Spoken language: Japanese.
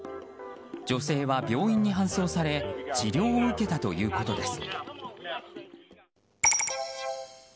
女性は病院に搬送され治療を受けたということです。